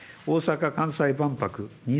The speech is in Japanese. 大阪・関西万博